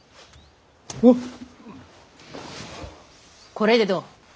これでどう？